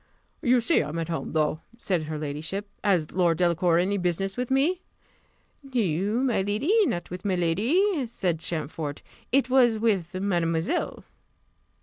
"You see I am at home, though," said her ladyship. "Has Lord Delacour any business with me?" "No, miladi: not with miladi," said Champfort; "it was with mademoiselle."